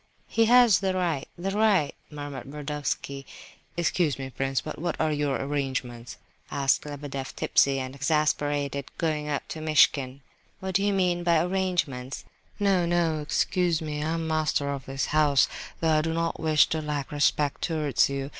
"He has the right—the right—" murmured Burdovsky. "Excuse me, prince, but what are your arrangements?" asked Lebedeff, tipsy and exasperated, going up to Muishkin. "What do you mean by 'arrangements'?" "No, no, excuse me! I'm master of this house, though I do not wish to lack respect towards you.